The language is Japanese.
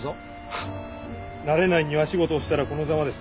フッ慣れない庭仕事をしたらこのざまです。